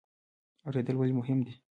اوریدل ولې مهم دي؟